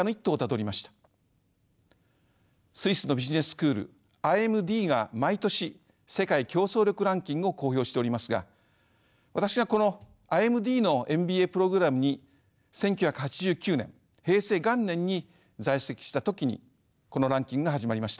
スイスのビジネススクールＩＭＤが毎年世界競争力ランキングを公表しておりますが私はこのＩＭＤのＭＢＡプログラムに１９８９年平成元年に在籍した時にこのランキングが始まりました。